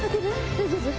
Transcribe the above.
大丈夫？